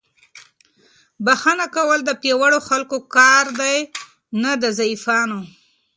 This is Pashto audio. بښنه کول د پیاوړو خلکو کار دی، نه د ضعیفانو.